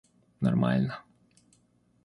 нормально